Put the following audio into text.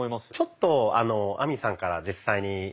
ちょっと亜美さんから実際に。